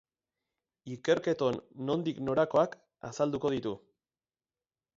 Ikerketon nondik norakoak azalduko ditu.